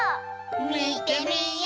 みてみよう！